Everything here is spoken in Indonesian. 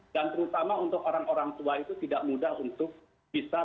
dan terutama untuk orang orang tua itu tidak mudah untuk bisa